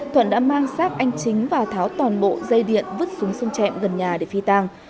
thuận đã mang sát anh chính và tháo toàn bộ dây điện vứt xuống sông gần nhà để phi tàng